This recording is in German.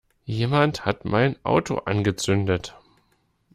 Jemand hat mein Auto angezündet!